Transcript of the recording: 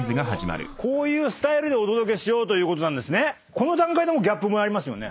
この段階でもうギャップ萌えありますよね。